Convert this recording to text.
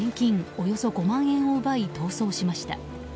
およそ５万円を奪い逃走しました。